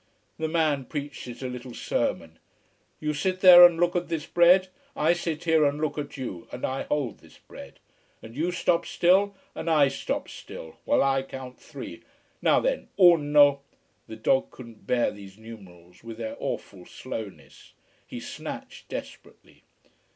The man preached it a little sermon. "You sit there and look at this bread. I sit here and look at you, and I hold this bread. And you stop still, and I stop still, while I count three. Now then uno " the dog couldn't bear these numerals, with their awful slowness. He snatched desperately.